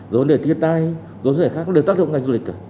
vấn đề thiết tai vấn đề khác đều tác dụng ngành du lịch